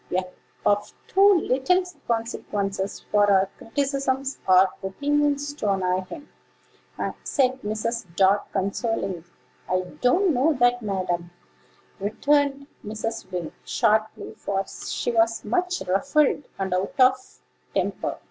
We are of too little consequence for our criticisms or opinions to annoy him," said Mrs. Dart consolingly. "I don't know that, ma'am," returned Mrs. Wing, sharply: for she was much ruffled and out of temper.